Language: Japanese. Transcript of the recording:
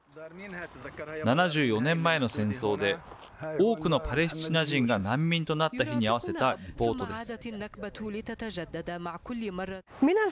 ７４年前の戦争で、多くのパレスチナ人が難民となった日に合わせたリポートです。